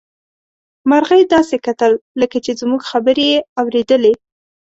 مرغۍ داسې کتل لکه چې زموږ خبرې يې اوريدلې.